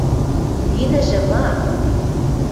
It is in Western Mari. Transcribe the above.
– Нинӹжӹ – ма?